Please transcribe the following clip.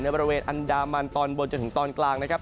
บริเวณอันดามันตอนบนจนถึงตอนกลางนะครับ